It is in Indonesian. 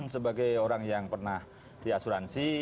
sebagai orang yang pernah diasuransi